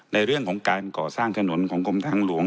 ในเรื่องของการก่อสร้างถนนของกรมทางหลวง